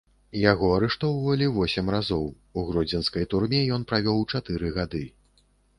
Яго арыштоўвалі восем разоў, у гродзенскай турме ён правёў чатыры гады.